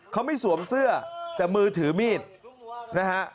เขาไม่สวมเสื้อแต่มือถือมีดนะฮะ